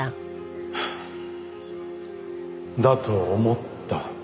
だと思った。